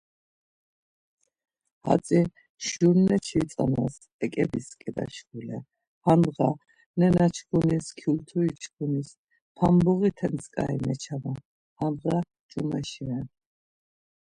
Hatzi jurneçi tzanas eǩebitzǩeda şkule handğa, nenaçkunis, kyulturiçkunis pambuğite tzǩari meçaman, handğa ç̌umeşi ren.